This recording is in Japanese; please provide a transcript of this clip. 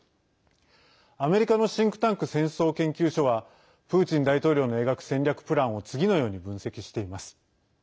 アメリカのシンクタンク戦争研究所はプーチン大統領の描く戦略プランを次のように分析しています。